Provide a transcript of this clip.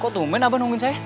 kok tumben abah nungguin saya